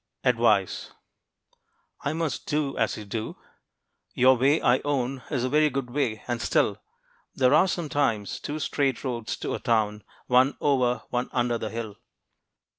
"ADVICE." I must do as you do? Your way I own Is a very good way. And still, There are sometimes two straight roads to a town, One over, one under the hill.